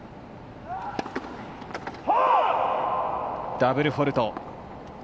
ダブルフォールト。